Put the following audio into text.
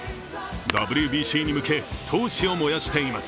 ＷＢＣに向け、闘志を燃やしています。